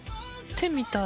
手みたい。